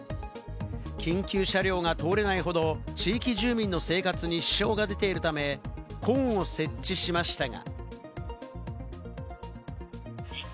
緊急車両が通れないほど、地域住民の生活に支障が出ているため、コーンを設置しましたが。